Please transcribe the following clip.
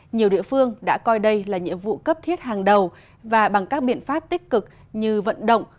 nhiều địa phương đã coi đây là nhiệm vụ cấp thiết hàng đầu và bằng các biện pháp tích cực như vận động